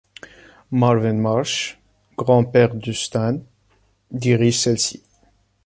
Marvin Marsh, grand-père de Stan, dirige celle-ci.